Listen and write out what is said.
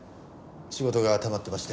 仕事がたまってまして。